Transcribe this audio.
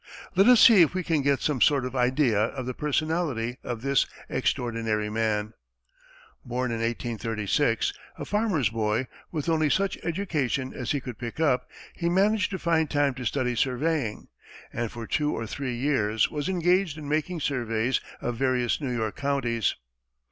Let us see if we can get some sort of idea of the personality of this extraordinary man. Born in 1836, a farmer's boy, with only such education as he could pick up, he managed to find time to study surveying, and for two or three years was engaged in making surveys of various New York counties.